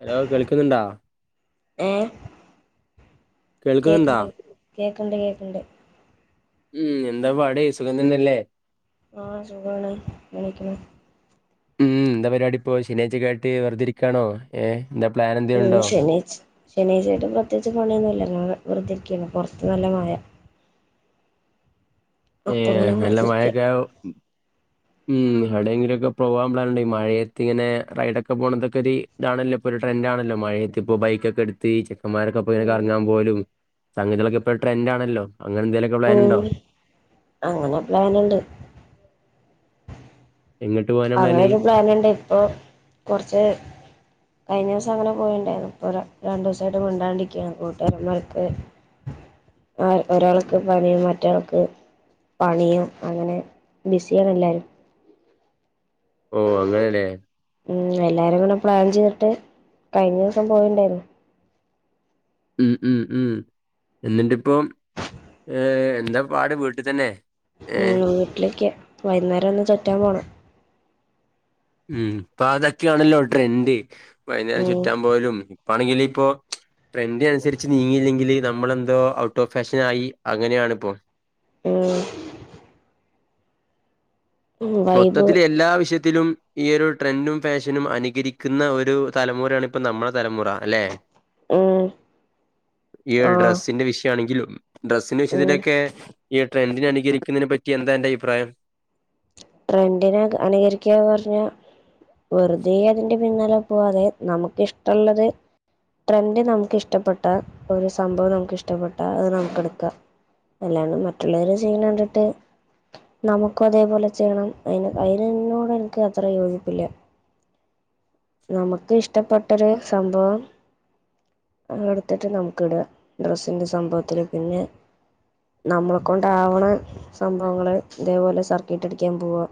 Hello കേൾക്കുന്നുണ്ടോ ഏയ് കേൾക്കുന്നുണ്ടാ കേൾക്കണ്ട് കേക്കണ്ട് കേൾക്കണ്ട് ഉം എന്താ പാട സുഖം തന്നെയല്ലേ നള സുഖാണ് [unintelligible] ഉം എന്താ പരിപാടി ഇപ്പോ ശനിയാഴ്ച്ചക്കായിട്ട വെറുതിരിക്കാണോ ഏഹ എന്താ പ്ലാൻ എന്തേലും ഉണ്ടോ [unintelligible] ശനിയാഴ്ചയിട്ട് പ്രത്യേകിച്ച് പണിയൊന്നുല്ല ഞങ്ങള് വെറുതെ ഇരിക്കന്നെ പൊറത്ത് നല്ല മയ അപ്പൊ ഏഹ് അങ്ങനെ നല്ല വെറുതിരിക്ക മഴൊക്കെ ഉം എവിടെങ്കിലൊക്കെ പോവാൻ പ്ലാനുണ്ട് ഈ മഴയത്തിങ്ങനെ റൈഡൊക്കെ പോണതൊക്കൊര് ഇതാണല്ലോ ഇപ്പോ ഒരു ട്രെൻറ് ആണല്ലോ മഴയത്ത് ഇപ്പോ ബൈക്കൊക്കെ എടുത്ത് ക്കന്മാരൊപ്പങ്ങെനെ ഉം കറങ്ങാൻ പോവലും സംഗതിയേളൊക്കെ ഇപ്പോ ട്രെൻറ് ആണല്ലോ അങ്ങനെന്തേലൊക്കെ പ്ലാനുണ്ടോ ഉം അങ്ങനെ പ്ലാനുണ്ട് എങ്ങോട്ട് പോകാനാ പ്ലാന് അങ്ങനൊരു പ്ലാൻ ഉണ്ട് ഇപ്പൊ കൊറച്ച് കഴിഞ്ഞിസം അങ്ങനെ പോയിണ്ടായിരുന്നു ഇപ്പൊ രണ്ടു ദിവസായിട്ട് മിണ്ടാണ്ടിരിക്കുകയാണ് കൂട്ടുകാരമാർക്ക് ആഹ് ഒരാൾക്ക് പനിയും മറ്റാൾക്ക് പണിയും അങ്ങനെ ബിസിയാണ് എല്ലാരും. ഓ അങ്ങനെല്ലേ ഉം എല്ലാരും കൂടെ പ്ലാൻ ചെയ്തിട്ട് കഴിഞ്ഞ ദിവസം പോയിണ്ടായിരുന്നു. ഉം ഉം ഉം എന്നിട്ടിപ്പം ഏഹ് എന്താ പാട് വീട്ടി തന്നെ ഉം ഏ വീട്ടിലേക്ക് വൈകുന്നേരൊന്ന് ചുറ്റാൻ പോണം. ഉം ഇപ്പൊ അതൊക്കെയാണല്ലോ ട്രെന്റ് വൈകുന്നേരം ഉം ചുറ്റാൻ പോവലും ഇപ്പാണെങ്കിലിപ്പോ ട്രെൻഡിനനുസരിച്ച് നീങ്ങിയില്ലെങ്കില് നമ്മളെന്തോ ഔട്ട് ഓഫ് ഫാഷനായി അങ്ങനെയാണിപ്പോ. ആഹ് വൈബ് മൊത്തത്തില് എല്ലാ വിഷയ ത്തിലും ഈ ഒരു ട്രെൻഡും ഫാഷനും അനുകരിക്കുന്ന ഒരു തലമുറയാണ് ഇപ്പൊ നമ്മളുടെ തലമുറ അല്ലെ ഉം ഈ ഒരു ആഹ് ഡ്രസിന്റെ വിഷയാണെങ്കിലും ഡ്രസ്സിന്റെ ഉം വിഷയത്തിലൊക്കെ ഈ ട്രെൻഡിനനുകരിക്കുന്നതിനെ പറ്റി എന്താ അന്റെ അഭിപ്രായം ട്രെൻഡിനെ അനുകരിക്ക പറഞ്ഞ വെറുതെ അതിന്റെ പിന്നാലെ പോവാതെ നമുക്ക് ഇഷ്ടള്ളത് ട്രെൻഡ് നമുക്കിഷ്ടപ്പെട്ടാ ഒരു സംഭവം നമുക്കിഷ്ടപ്പെട്ടാ അത് നമുക്ക് എടുക്കാം. അല്ലാണ്ട് മറ്റുള്ളവര് ചെയ്യണ കണ്ടിട്ട് നമുക്കും അതേപോലെ ചെയ്യണം അയ്ന് അയിനോട് എനിക്ക് അത്ര യോജിപ്പില്ല. നമക്ക് ഇഷ്ടപ്പെട്ടൊരു സംഭവം. എടുത്തിട്ട് നമുക്ക് ഇട ഡ്രസ്സിന്റെ സംഭവത്തില് പിന്നെ. നമ്മളെ കൊണ്ടാവ്ണ സംഭവങ്ങള് ഇതേ പോലെ സർക്കിട്ട ക്കാൻ പോവാ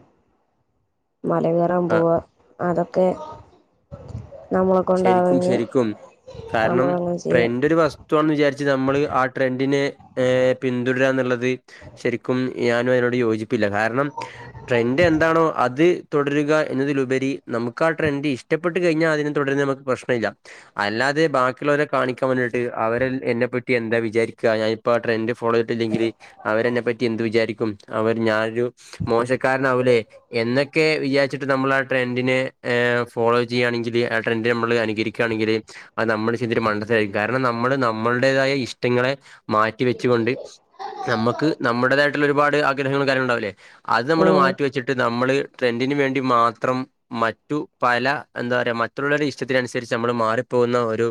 മല കേറാൻ ആ പോവാ. അതൊക്കെ. നമ്മളെ ശരിക്കും കൊണ്ടാകെങ്കി ശരിക്കും നമ്മളങ്ങനെ ചെയ്യ. റ്റോന്ന് വിചാരിച്ച് നമ്മള് ആഹ് ട്രെൻഡിനെ ഏഹ് പിന്തുടരാന്ന്ള്ളത്. ശരിക്കും ഞാനും അയിനോട് യോജിപ്പില്ല കാര്ണം ട്രെൻഡ് എന്താണോ അത്. തുടരുക എന്നതിലുപരി നമുക്ക് ആഹ് ട്രെൻഡ് ഇഷ്ടപ്പെട്ട് കഴിഞ്ഞാൽ അതിന് തുടര്ന്ന് നമുക്ക് പ്രശ്നല്ല. അല്ലാതെ ബാക്കിയുള്ളവരെ കാണിക്കാൻ വേണ്ടിട്ട് അവരെ എന്നെപ്പറ്റി എന്താ വിചാരിക്കാ ഞാൻ. ഇപ്പോ ആഹ് ട്രെൻഡ് ഫോളോ ചെയ്ട്ടില്ലെങ്കിൽ അവരെന്നെ പ്പറ്റി എന്ത് വിചാരിക്കും അവർ ഞാനൊരു. മോശക്കാരനാവൂലേ. എന്നൊക്കെ വിചാരിച്ചിട്ട് നമ്മൾ ആഹ് ട്രെൻഡിനെ ഏഹ് ഫോളോ ചെയ്യാണെങ്കിൽ. ട്രെന്റ് നമ്മള് അനുകരിക്കാണെങ്കില്. അത് നമ്മള് ചെയ്തൊരു മണ്ടത്തരായിരിക്കും കാരണം നമ്മള് നമ്മുടേതായ ഇഷ്ടങ്ങളെ. മാറ്റി വെച്ചുകൊണ്ട് നമ്മക്ക് നമ്മുടേതായിട്ടുള്ള ഒരുപാട് ആഗ്രഹങ്ങളും കാര്യങ്ങളുണ്ടാവുല്ലേ. അത് മ്മള് ഉം മാറ്റി വെച്ചിട്ട് നമ്മള്. ട്രെൻഡിന് വേണ്ടി മാത്രം മറ്റു പല എന്താ പറയാ മ റ്റുള്ളവരുടെ ഇഷ്ടത്തിനനുസരിച്ച് നമ്മൾ മാറിപ്പോകുന്ന ഒരു.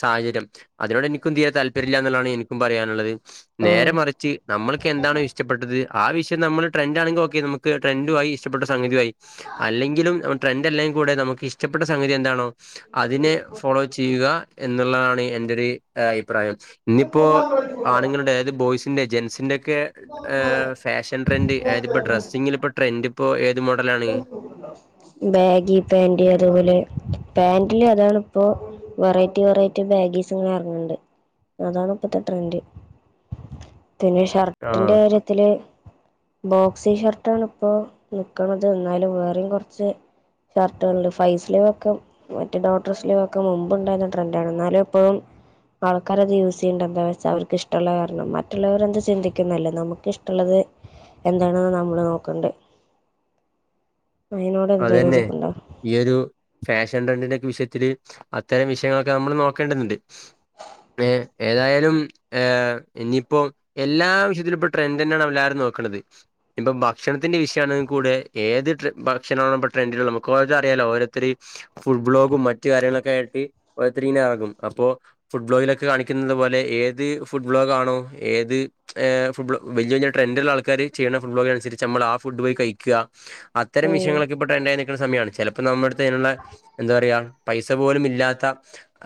സാഹചര്യം അതിനോട് എനിക്കും തീരെ താല്പര്യല്ലൃ എന്നുള്ളതാണ് എനിക്കും പറയാനുള്ളത് ആഹ് നേരെ മറിച്ച്. നമ്മൾക്കെന്താണോ ഇഷ്ടപ്പെട്ടത് ആഹ് വിഷയം നമ്മൾ ട്രെൻഡാണെങ്കി ഓക്കെ നമുക്ക് ട്രെൻഡുയി ഇഷ്ടപ്പെട്ട സംഗതി ആയി. അല്ലെങ്കിലും ന ട്രെൻഡല്ലെങ്കിൽ കൂടെ നമുക്ക് ഇഷ്ട്ടപ്പെട്ട സംഗ തി എന്താണോ അതിനെ ഫോളോ ചെയ്യുക എന്നുള്ളതാണ് എന്റെ ഒരു അഭിപ്രായം. ഇന്നിപ്പോ ആണ്ങ്ങളുടെ അതായത് ബോയ്സ്. ന്റെ ജെൻസിന്റെ ഒക്കെ എ ഫാഷൻ ട്രൻഡ് അതായതിപ്പോ ഡ്രസ്സിങ്ങിലിപ്പോ ട്രെൻഡ്. ഇപ്പോ ഏത് മോഡലാണ്? ബാഗി പാന്റ് അതുപോലെ പാന്റില് അതാണ്പ്പോ. വെറൈറ്റി വെറൈറ്റി ബാഗീസിങ്ങനെ ഇറങ്ങ്ണ്ട് അതാണിപ്പത്തെ ട്രൻഡ്. പിന്നെ ഷർട്ടിന്റെ ആഹ് കാര്യത്തില് ബോക്സി ഷർട്ടാണ്പ്പോ. ക്ക്ണത് എന്നാലും വേറെയും കൊറ്ച്ച് ഷർട്ടുകളുണ്ട് ഫൈ സ്ലീവൊക്കെ. മറ്റേ ഡോക്ടർ സ്ലീവൊക്കെ മുമ്പ്ണ്ടായിരുന്ന ട്രെൻഡാണ്ന്നാലും പ്പം. ആൾക്കാരത് യൂസ് ചെയ്യ്ണ്ട എന്താ വെച്ചാ അവർക്ക് ഇഷ്ടള്ള കാരണം മറ്റുള്ളവര് എന്ത് ചിന്തിക്കുന്നല്ല നമുക്ക് ഇഷ്ടള്ളത്. എന്താണെന്ന് നമ്മൾ നോക്കണ്ടേ. അതിനോട് എന്തേലും അതന്നെ യോജിപ്പുണ്ടോ? ഈ ഒരു ഫാഷൻ ട്രെൻഡിന്റെക്കെ വിഷയത്തില് അത്തരം വിഷയങ്ങളൊക്കെ നമ്മൾ നോക്കേണ്ടതുണ്ട്. വേ ഏതായാലും ഏഹ് ഇനിയിപ്പോ. എല്ലാ വിഷയത്തിലും ഇപ്പ ട്രെൻഡന്നെണ് എല്ലാരും നോക്ക്ണത്. ഇപ്പം ഭക്ഷണത്തിന്റെ വിഷയണെങ്കി കൂടെ ഏത് ട്രെ ഭ ക്ഷണൊള്ളപ്പോ ട്രൻഡിന്ള്ള മുക്കവായതറിയാലോ ഓരോരുത്തര്. ഫുഡ് ബ്ലോഗും മറ്റു കാര്യങ്ങളൊക്കെയായിട്ട് ഓരോര്ത്തരിങ്ങനെ എറ്ങ്ങും അപ്പോ. ഫുഡ് ബ്ലോഗിലൊക്കെ കാണിക്കുന്നത് പോലെ ഏത് ഫുഡ് ബ്ലോഗാണോ ഏത്. ഏഹ് ഫുട്ബ്ളോ വലൃ വലൃ ട്രൻഡ്ള്ള ആൾക്കാര് ചെയ്യ്ണ ഫുഡ് വ്ലോഗിനുസരിച്ച് നമ്മൾ ആഹ് ഫുഡ് പോയി കഴിക്കാ. അത്തരം ഉം വിഷയങ്ങളൊക്കെ ഇപ്പോ ട്രെന്റായി നിൽക്ക്ണ സമയാണ് ചെല ഇപ്പൊ നമ്മളട്ത്തയ്ന്ള്ള എന്താ പറ്യാ പൈസ പോലും ഇല്ലാത്ത.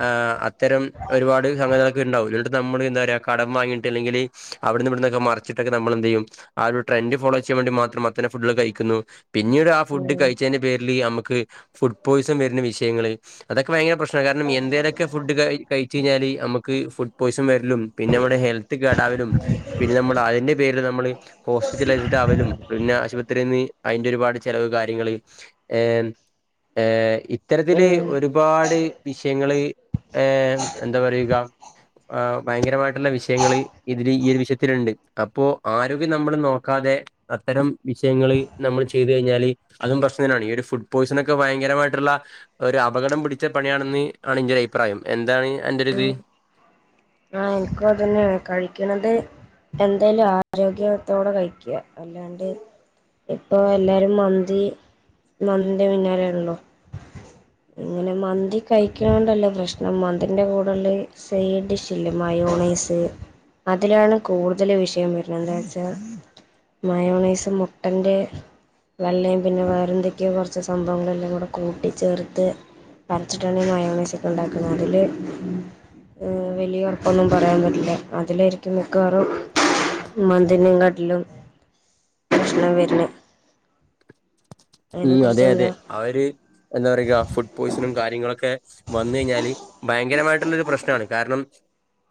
ആഹ് അത്തരം ഒരുപാട് സങ്കനകളൊക്കെ ഇണ്ടാവും ഇന്നിട്ട് നമ്മള് എന്താ പറിയാ കടം വാങ്ങിയിട്ട് അല്ലെങ്കില്. അവിടുന്ന് ഇവിടന്നൊക്കെ മറിച്ചിട്ടൊക്കെ നമ്മൾ എന്ത് ചെയ്യും ആഹ് ഒരു ട്രൻഡ് ഫോളോ ചെയ്യാൻവേണ്ടി മാത്രം അത്തരം ഫുഡുകള് കഴിക്കുന്നു പിന്നീട് ആഹ് ഫുഡ് ഉം കഴിച്ച പേരിൽ നമുക്ക് ഫുഡ് പോയിസൺ വരുന്ന വിഷയങ്ങൾ അതൊക്കെ ഭയങ്കര പ്രശ്നമാണ് കാരണം എന്തേലൊ ഫുഡ് ക കഴിച്ച കഴിഞ്ഞാല് നമുക്ക് ഫുഡ് പോയിസൻ വരലും പിന്നെ നമ്മടെ ഹെൽത്ത് കേടാവലും പിന്നെ നമ്മള് അതിന്റെ പേരില് നമ്മള് ഹോസ്പിറ്റലൈസ്ഡ് ആവലും പിന്നെ ആശുപത്രിയിൽ നിന്ന് അതിന്റെ ഒരുപാട് ചിലവ് കാര്യങ്ങൾ ഏഹ് ഏഹ് ഇത്തരത്തില് ഉം ഒരു ഒരുപാട് വിഷയങ്ങള് ഏഹ് എന്താ പറയുക ആഹ് ഭയങ്കരമായിട്ടുള്ള വിഷയങ്ങള് ഇതില് ഈ ഒരു വിഷയത്തിലുണ്ട് അപ്പോ ആരോഗ്യം നമ്മൾ നോക്കാതെ അത്തരം വിഷയങ്ങൾ നമ്മൾ ചെയ് കഴിഞ്ഞാല് അതും പ്രശ്നം തന്നെയാണ് ഈ ഫുഡ് പോയിസൺ ഒക്കെ ഭയങ്കരമായിട്ടുള്ള ഒരു അപകടം പിടിച്ച പണിയാണെന്ന് ആണ് എന്റെ ഒരു അഭിപ്രായം എന്താണ് അന്റൊരിത് ഉം ആഹ് എനിക്കു അതന്നെയാണ് കഴിക്കണത് എന്തായാലും ആരോഗ്യത്തോടെ കഴിക്കുക അല്ലാണ്ട് ഇപ്പോ എല്ലാരും മന്തി മന്തിന്റെ പിന്നാലെയാണല്ലോ ഇങ്ങനെ മന്തി കഴിക്കണോണ്ടല്ല പ്രശ്നം മ അതിൻ്റെ കൂടയുള്ള സൈഡ് ഡിഷില്ലേ മയോണൈസ് അതിലാണ് കൂടുതൽ വിഷയം വരുന്നത് എന്താച്ചാ മയോണീസ് മുട്ടന്റെ വെള്ളയും പിന്നെ വേറെന്തൊക്കെയോ കുറച്ച് സംഭവങ്ങളെല്ലാം കൂടെ കൂട്ടിച്ചേർത്ത് വരച്ചിട്ടാണ് ഈ മയോണൈസൊക്കെ ഉണ്ടാക്കണത് അതിൽ വലിയ ഉറപ്പൊന്നും പറയാൻ പറ്റില്ല അതിലായിരിക്കും മിക്കവാറും മന്തിനേകാട്ടിലും പ്രശ്നം വരണ് ഉം അതെ കുറിച്ച് അതെ എന്താ അവര് എന്താ പറയ്യാ ഫുഡ് പോയിസണും കാര്യങ്ങളൊക്കെ ക്കെ വന്ന കഴിഞ്ഞാല് ഭയങ്കരമായിട്ടുള്ള ഒരു പ്രശ്നമാണ് കാരണം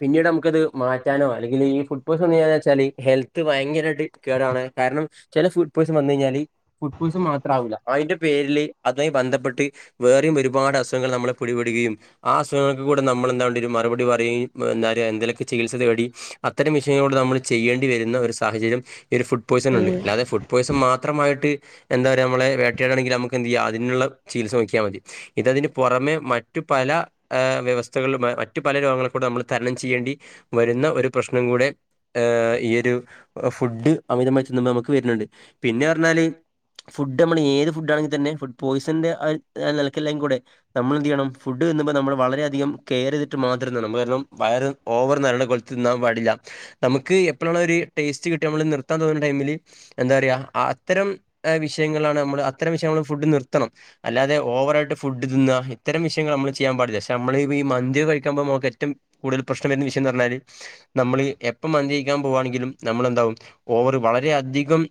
പിന്നീട് നമുക്കത് മാറ്റാനോ അല്ലെങ്കിൽ ഈ ഫുഡ് പോയ്സൺ വന്നുകഴിഞ്ഞാ വെച്ചാല് ഹെൽത്ത് ഭയങ്കരമായിട്ട് ക്കാരാണ് കാരണം ചില ഫുഡ് പോയിസൺ വന്നു കഴിഞ്ഞാല് ഫുഡ് പോയിസൺ മാ ത്രാവൂല അതിന്റെ പേരില് അതുമായി ബന്ധപ്പെട്ട് വേറെയും ഒരുപാട് അസുഖങ്ങൾ നമ്മളെ പിടിപെടുകയും ആഹ് അസുഖങ്ങൾക്ക് കൂടെ നമ്മളെന്താ വേണ്ടിവരും മറുപടി പറയും എന്താ പറയ്യാ എന്തേലൊക്കെ ചികിത്സ തേടി അത്തരം മിഷീനോട് നമ്മൾ ചെയ്യേണ്ടി വരുന്ന ഒരു സാഹചര്യം ഈ ഒരു ഫു പോയിസൺ ഉണ്ട് ഉം അല്ലാതെ ഫുഡ് പോയിസൺ മാത്രമായിട്ട് എന്താ നമ്മളെ വേട്ടയാടണെങ്കിൽ നമുക്ക് എന്ത് ചെയ്യാ അതിനുള്ള ചികിത്സ നോക്കിയ മതി. ഇതതിന് പുറമെ മറ്റു പല ആ വ്യവസ്ഥകളും മറ്റു പല രോഗങ്ങളിൽ കൂടെ നമ്മൾ തരണം ചെയ്യേണ്ടി വരുന്ന ഒരു പ്രശ്നം കൂടെ ആഹ് ഈയൊരു ഫുഡ് അമിതമായി ചെന്നുമ്പോൾ നമുക്ക് വരുന്നുണ്ട് പിന്നെ പറഞ്ഞാല് ഫുഡ് നമ്മൾ ഏത് ഫുഡ് ആണെങ്കിൽ തന്നെ ഫുഡ് പോയിസന്റെ അഹ നൽക്കല്ലെങ്കും കൂടെ നമ്മൾ എന്ത് ചെയ്യണം ഫുഡ് തിന്നുമ്പ നമ്മൾ വളരെ അധികം കെയർ ചെയ്തിട്ട് മാത്രം തിന്ണം വയറ് ഓവർ നിറയണപോൽ തിന്നാൻ പാടില്ല നമുക്ക് എപ്പോളാണോ ഒരു ടേസ്റ്റ് കിട്ടി നമ്മള് നിർത്താൻ തോന്നുന്ന ടൈമില് എന്താ പറയാ അത്തരം അഹ വിഷയങ്ങളാണ് നമ്മള് അത്തരം വിഷയങ്ങള് ഫുഡ് നിർത്തണം അല്ലാതെ ഓവറായിട്ട് ഫുഡ് തിന്നാ ഇത്തരം വിഷയങ്ങള് നമ്മള് ചെയ്യാൻ പാടില്ല ക്ഷെ നമ്മള് ഈ മന്തി കഴിക്കുമ്പോ നമുക്ക് ഏറ്റും കൂടുതൽ പ്രശ്നം വരുന്ന വിഷയം എന്ന് പറഞ്ഞാല് നമ്മള് എപ്പം മന്തി കഴിക്കാൻ പോവുവാണെങ്കിലും നമ്മളെന്താവും ഓവർ വളരെ അധികം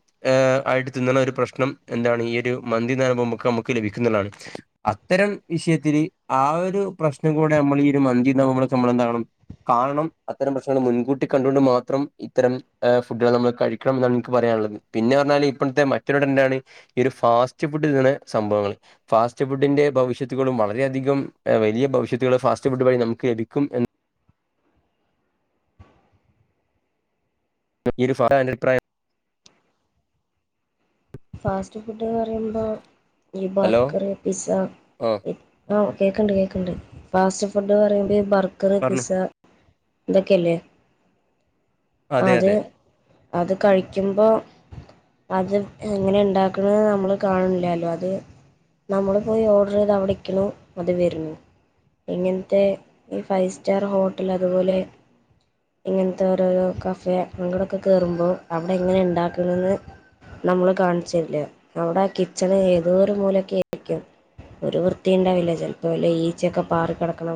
ആയിട്ട് തിന്നണ ഒരു പ്രശ്നം എന്താണ് ഈ ഒരു മന്തിന്ന് [unintelligible] നമുക്ക് ലഭിക്കുന്നതാണ്. അത്തരം വിഷയത്തില് ആഹ ഒരു പ്രശ്നം കൂടെ നമ്മൾ ഈ ഒരു മന്തി [unintelligible] നമ്മളെന്തവണം. കാണണം അത്തരം പ്രശ്നങ്ങൾ മുൻകൂട്ടി കണ്ടൊണ്ട് മാത്രം ഇത്തരം അഹ ഫുഡുകൾ നമ്മൾ കഴിക്കണം എന്നാണ് എനിക്ക് പറയാനുള്ളത്. പിന്നെ പറഞ്ഞാൽ ഇപ്പോഴത്തെ മറ്റൊരു ട്രെന്റാണ് ഈ ഒരു ഫാസ്റ്റ് ഫുഡ് ന്നുള്ള സംഭവങ്ങൾ. ഫാസ്റ്റ് ഫുഡിന്റെ ഭവിഷത്തുകളും വളരെയധികം വലിയ ഭവിഷത്തുകളു ഫാസ് റ്റ് ഫുഡ് വഴി നമുക്ക് ലഭിക്കും എന്ന് ഇ [unintelligible] അഭിപ്രായം ഫാസ്റ്റ് ഫുഡ്ന്ന് പറയുമ്പോൾ ഈ ഹലോ ബർഗർ, പിസ്സ ആഹ് ഓ കേക്ക്ണ്ട് കേക്കണ്ട് ഫാസ്റ്റ് ഫുഡ് ന്ന് പറയുമ്പോ ബർഗറ്, പറഞ്ഞു. പിസ്സ ഇതൊക്കെയല്ലേ ആഹ് അതെ, അത് അതെ. അത് കഴിക്കുമ്പോ അത് എങ്ങനെ ഉണ്ടാക്കണത് നമ്മള് കാണണില്ലല്ലോ അത് നമ്മൾ പോയി ഓർഡർ ചെയ്ത് അവിടെക്കണു അത് വരുന്നു. ഇങ്ങനത്തെ ഈ ഫൈവ് സ്റ്റാർ ഹോട്ടല് അതുപോലെ ഇങ്ങനത്തെ ഓരോരോ കഫേ അങ്ങടൊക്കെ കേറുമ്പോൾ അവിടെ എങ്ങനെ ഉണ്ടാക്കുന്നെന്ന് നമ്മളെ കാണിച്ച് തരില്ല അവിടെ ആ കിച്ചണ് ഏതോ ഒരു മൂലക്കെ ആയിരിക്കും. ഒരു വൃത്തി ഉണ്ടാവില്ല ചിലപ്പോ വല്ല ഈച്ചക്കെ പാറി കടക്കണ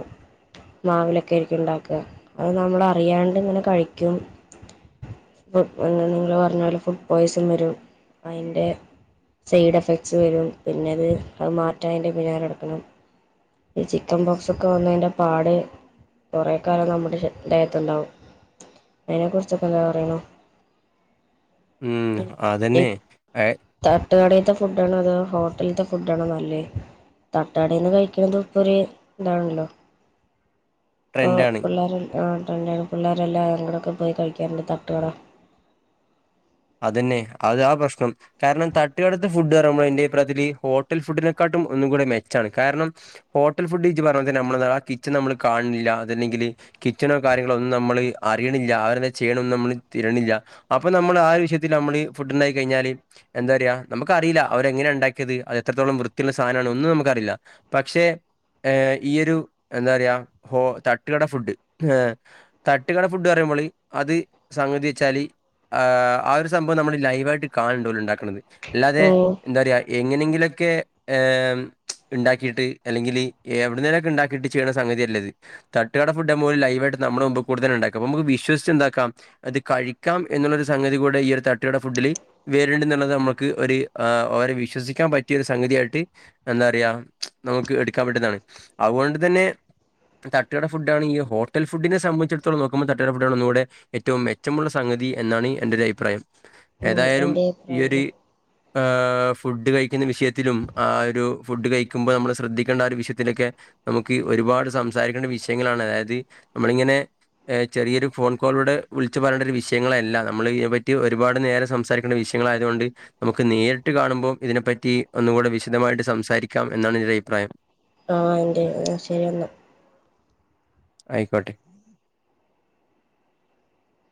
മാവിലൊക്കെ ആരിക്കും ഉണ്ടാക്കുക അത് നമ്മള് അറിയാണ്ട് ഇങ്ങനെ കഴിക്കും. ഫ് നിങ്ങള് പറഞ്ഞോലെ ഫുഡ് പോയ്സൺ വരും അയ്ന്റെ സൈഡ് എഫക്ട്സ് വരും പിന്നെ അത് അത് മാറ്റാനതിൻ്റെ പിന്നാലെ നടക്കണം. ഈ ചിക്കൻ ബോക്സ് ഒക്കെ വന്നതിന്റെ പാട് കുറെ കാലം നമ്മുടെ ശ ദേഹത്തുണ്ടാവും അതിനെ കുറിച്ചൊക്കെ എന്താ പറയണോ? ഉം അതന്നെ ഏഹ് തട്ടുകടത്തെ ഫുഡാണോ അതോ ഹോട്ടലിത്തെ ഫുഡാണോ നല്ലേ തട്ടു കടയിന്ന് കഴിക്കണത് ഇപ്പം ഒരു ഇതാണല്ലോ? ഇപ്പോ ട്രെൻഡാണ്. പിള്ളേരെ അ ട്രെന്റ് ആണ് പിള്ളോരെല്ലാരും കൂടക്കെ പോയി കഴിക്കാറുണ്ട് തട്ടുകട. അതന്നെ അതാ പ്രശ്നം കാരണം തട്ടുകടത്തെ ഫുഡ് പറയുമ്പം ന്റെഭിപ്രായത്തില് ഹോട്ടൽ ഫുഡിനെക്കാട്ടും ഒന്നും കൂടെ മെച്ചാണ് കാരണം ഹോട്ടൽ ഫുഡ് ഇജ്ജ് പറഞ്ഞ പോലെ തന്നെ നമ്മൾ ആ കിച്ചൺ നമ്മള് കാൺണില്ല അതല്ലെങ്കില് കിച്ചണോ കാര്യങ്ങളോ ഒന്നും നമ്മള് അറിയണില്ല അവരെന്താ ചെയ്യണൊന്നും നമ്മൾ തിരണില്ല അപ്പൊ നമ്മൾ ആ ഒരു [unintelligible] ൽ നമ്മള് ഫുഡ് ഉണ്ടായി കഴിഞ്ഞാല് എന്താ പറയാ നമുക്ക് അറിയില്ല അവരെ എങ്ങനെയാ ഉണ്ടാക്കിയത് അത് എത്രത്തോളം വൃത്തിയുള്ള സാധനാണ് ഒന്നും നമുക്ക് അറിയില്ല. പക്ഷെ ഏഹ് ഈ ഒരു എന്താ പറയാ ഹോ തട്ടുകട ഫുഡ് ഏഹ് തട്ടുകട ഫുഡ് പറയുമ്പോൾ അത് സംഗതി വെച്ചാല് ആ ഒരു സംഭവം നമ്മൾ ലൈവ് ആയിട്ട് കാണണ്ടോല് ഉണ്ടാക്കണത് അല്ലാതെ ഉം എന്താ പറയ എങ്ങനെങ്കിലൊക്കെ ഏഹ് ഉണ്ടാക്കിയിട്ട് അല്ലെങ്കിൽ എവിടുന്നേലും ഒക്കെ ഉണ്ടാക്കിയിട്ട് ചെയ്യണ സംഗതിയല്ലിത്. തട്ടുകട ഫുഡ് പോല ലൈവായിട്ട് നമ്മളെ മുമ്പ് കൂടെത്തന്നെ ഉണ്ടാക്ക അപ്പ നമുക്ക് വിശ്വസച്ച് എന്താക്കാം അത് കഴിക്കാം എന്നുള്ളൊരു സംഗതി കൂടെ തട്ടുകുടെ ഫുഡില് [unintelligible] എന്നുള്ളത് നമുക്ക് ഒരു അവരെ വിശ്വസിക്കാൻ പറ്റിയ ഒരു സംഗതിയായിട്ട് എന്താ പറയ നമുക്ക് എടുക്കാൻ പറ്റുന്നതാണ് അതുകൊണ്ട് തന്നെ തട്ടു കട ഫുഡാണെങ്കി ഹോട്ടൽ ഫുഡിനെ സംബന്ധിച്ചിടത്തോളം നോക്ക്മ്പോ തട്ടു കട ഫുഡാണ് ഒന്നൂടെ ഏറ്റവും മെച്ചമുള്ള സംഗതി എന്നാണ് എന്റെ ഒരു അഭിപ്രായം ഉം ഏതായാലും എന്റെ ഈ ഒരു അഭിപ്രായം ആഹ് ഫുഡ് കഴിക്കുന്ന വിഷയത്തിലും ആ ഒരു ഫുഡ് കഴിക്കുമ്പ നമ്മള് ശ്രദ്ധിക്കേണ്ട ആ ഒരു വിഷയത്തിലൊക്കെ വിഷയത്തിലൊക്കെ നമുക്ക് ഒരുപാട് സംസാരിക്കേണ്ട വിഷയങ്ങളാണ് അതായത് നമ്മളിങ്ങനെ ഏഹ് ചെറിയൊരു ഫോൺ കോളൂടെ വിളിച്ച് പറയേണ്ട ഒരു വിഷയങ്ങളല്ല നമ്മള് [unintelligible] ഒരുപാട് നേരം സംസാരിക്കേണ്ട വിഷയങ്ങളായതുകൊണ്ട് നമുക്ക് നേരിട്ട് കാണുമ്പോൾ ഇതിനെപ്പറ്റി ഒന്നുകൂടെ വിശദമായിട്ട് സംസാരിക്കാം എന്നാണ് എന്റെ അഭിപ്രായം ആ അന്റെ ശരി എന്ന ആയിക്കോട്ടെ